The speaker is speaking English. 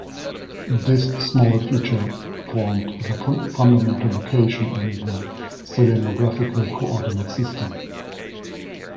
This small feature formed the fundamental location in the selenographical coordinate system.